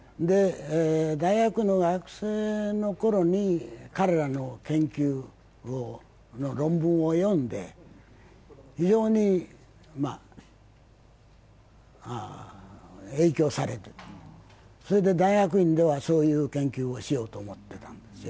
大学の学生のころに彼らの研究の論文を読んで、非常に影響された、それで大学院ではそういう研究をしようと思ったんですよ。